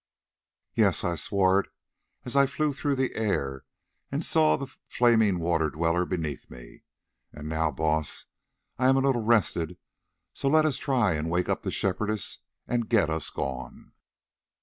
Yes, I swore it as I flew through the air and saw the flaming Water Dweller beneath me. And now, Baas, I am a little rested, so let us try and wake up the Shepherdess, and get us gone."